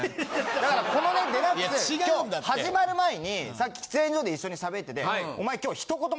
だからこのね『ＤＸ』今日始まる前にさっき喫煙所で一緒に喋ってて。